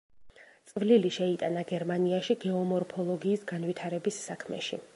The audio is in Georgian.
წვლილი შეიტანა გერმანიაში გეომორფოლოგიის განვითარების საქმეში.